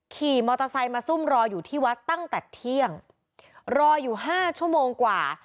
ขี่มอเตอร์ไซค์มาซุ่มรออยู่ที่วัดตั้งแต่เที่ยงรออยู่ห้าชั่วโมงกว่า